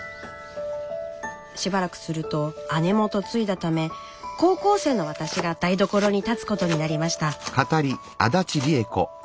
しばらくすると姉も嫁いだため高校生の私が台所に立つことになりました。